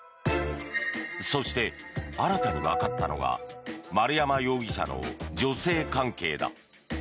そして、新たにわかったのが丸山容疑者の女性関係だ。